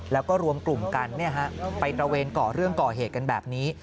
แล้วก็รวมกลุ่มกันเนี่ยฮะไปตระเวนเกาะเรื่องเกาะเหตุกันแบบนี้